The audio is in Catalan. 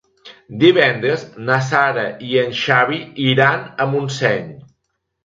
Divendres na Sara i en Xavi iran a Montseny.